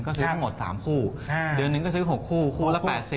ก็ซื้อทั้งหมด๓คู่เดือนหนึ่งก็ซื้อ๖คู่คู่ละ๘๐